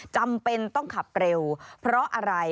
จำเป็นต้องขับเร็วเพราะอะไร